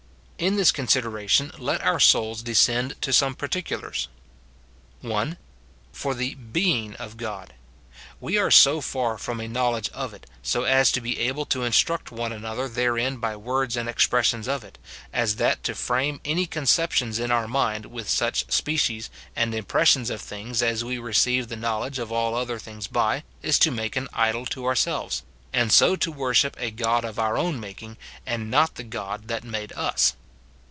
267 In t1iis consideration let our souls descend to some par ticula^rs :— [1.] For the being of God ; Ave are so far from a know ledge of it, so as to be able to instruct one another there in by words and expressions of it, as that to frame any conceptions in our mind, with such species and impres sions of things as we receive the knowledge of all other things by, is to make an idol to ourselves, and so to wor ship a god of our own making, and not the God that made us.